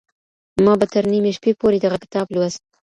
ما به تر نيمي شپې پوري دغه کتاب لوست.